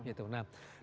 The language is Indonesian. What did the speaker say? nah berikutnya ya mas